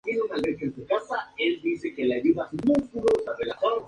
La serie fue bien recibida y obtuvo buena audiencia.